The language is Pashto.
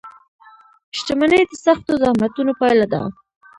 • شتمني د سختو زحمتونو پایله ده.